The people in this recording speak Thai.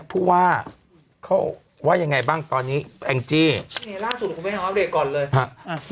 ผู้ว่าเขาว่ายังไงบ้างตอนนี้แองจี้ล่าสุดคุณแม่อัปเดตก่อนเลยฮะ